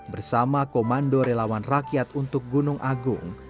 bersama komando relawan rakyat untuk gunung agung